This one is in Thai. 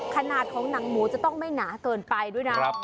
ขนาดของหนังหมูจะต้องไม่หนาเกินไปด้วยนะ